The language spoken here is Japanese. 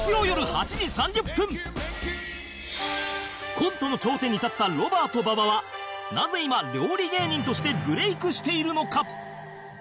コントの頂点に立ったロバート馬場はなぜ今料理芸人としてブレイクしているのか？